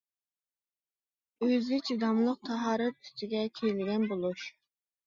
ئۆزى چىداملىق، تاھارەت ئۈستىگە كىيىلگەن بولۇش.